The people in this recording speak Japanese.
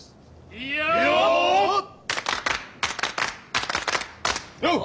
いよおっ！